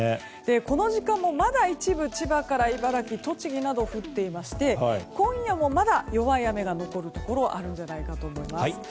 この時間もまだ一部千葉から茨城、栃木など降っていまして今夜もまだ弱い雨が残るところがあるんじゃないかと思います。